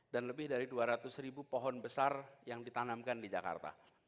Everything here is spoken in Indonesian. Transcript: dan lebih dari dua ratus pohon besar yang ditanamkan di jakarta